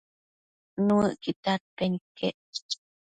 Nuëcquid dadpen iquec